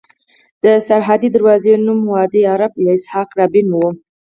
د سرحدي دروازې نوم وادي عرب یا اسحاق رابین وو.